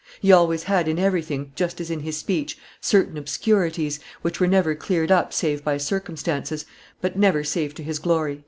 He always had in everything, just as in his speech, certain obscurities, which were never cleared up save by circumstances, but never save to his glory."